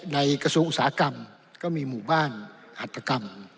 กระทรวงอุตสาหกรรมก็มีหมู่บ้านหัตกรรม